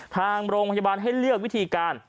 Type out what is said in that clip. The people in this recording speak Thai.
ทางโรงพยาบาลให้เลือกวิธีการ